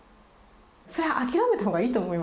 それは諦めたほうがいいと思います。